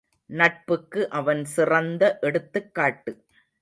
நட்புக்கு அவன் சிறந்த எடுத்துக் காட்டு.